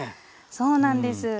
そうなんです。